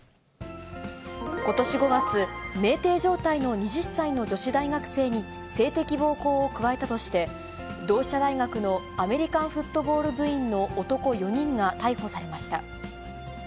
ことし５月、めいてい状態の２０歳の女子大学生に性的暴行を加えたとして、同志社大学のアメリカンフットボール部員の男４人が逮捕されました。